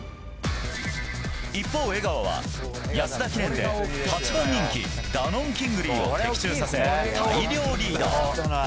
一方、江川は安田記念で８番人気ダノンキングリーを的中させ大量リード。